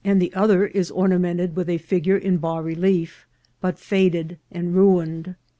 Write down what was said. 345 the other is ornamented with a figure in bas relief, but faded and ruined.